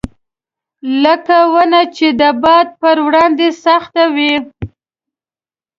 لکه ونه چې د باد پر وړاندې سخت وي.